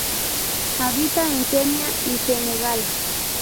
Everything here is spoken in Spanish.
Habita en Kenia y Senegal.